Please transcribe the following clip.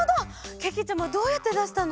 けけちゃまどうやってだしたの？